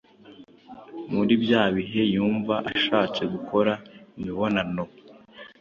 muri bya bihe yumva ashatse gukora imibonano